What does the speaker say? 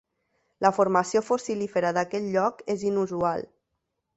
La formació fossilífera d'aquest lloc és inusual.